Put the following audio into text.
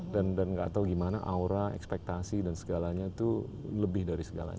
dan tidak tahu gimana aura ekspektasi dan segalanya itu lebih dari segalanya